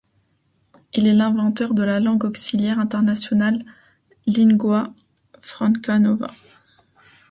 Il est l'inventeur de la langue auxiliaire internationale lingua franca nova.